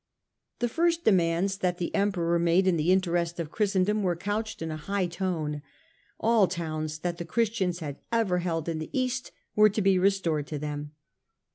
The first demands that the Emperor made in the interest of Christendom were couched in a high tone. All towns that the Christians had ever held in the East were to be restored to them.